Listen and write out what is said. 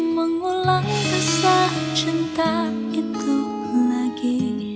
mengulang kesa cinta itu lagi